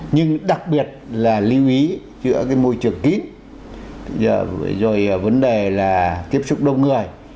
nhưng đặc biệt là lưu ý giữa cái môi trường kín rồi vấn đề là tiếp xúc đông người